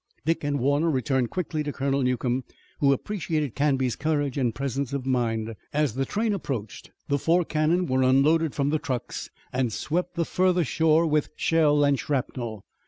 Dick and Warner returned quickly to Colonel Newcomb, who appreciated Canby's courage and presence of mind. As the train approached the four cannon were unloaded from the trucks, and swept the further shore with shell and shrapnel.